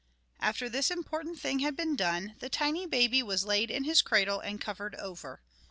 After this important thing had been done, the tiny baby was laid in his cradle and covered over.